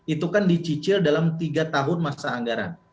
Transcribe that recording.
itu kan dicicil dalam tiga tahun masa anggaran